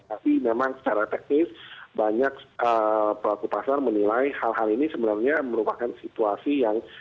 tapi memang secara teknis banyak pelaku pasar menilai hal hal ini sebenarnya merupakan situasi yang